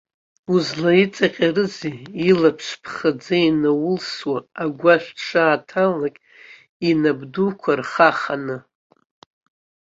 Узлаиҵаҟьарызеи, илаԥш ԥхаӡа инаулсуа, агәашә дшааҭалалак, инап дуқәа рхаханы.